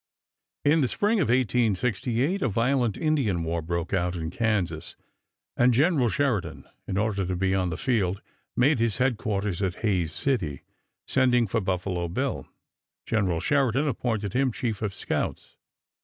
In the spring of 1868 a violent Indian war broke out in Kansas, and General Sheridan, in order to be on the field, made his headquarters at Hays City. Sending for Buffalo Bill General Sheridan appointed him chief of scouts.